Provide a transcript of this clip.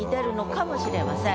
かもしれません。